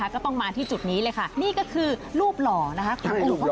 ก็ต้องมาที่จุดนี้เลยค่ะนี่ก็คือรูปหล่อของหลวงพ่อ